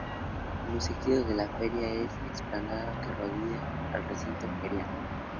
Los Ejidos de la Feria es la explanada que rodea al Recinto Ferial.